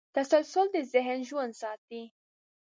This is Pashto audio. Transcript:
تسلسل د ذهن ژوند ساتي.